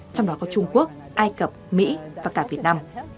trong đó có trung quốc ai cập mỹ và cả việt nam